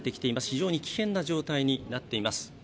非常に危険な状態になっています。